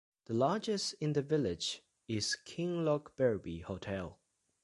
The largest in the village is Kinlochbervie Hotel.